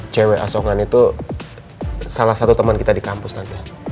cewek asongan itu salah satu teman kita di kampus nantinya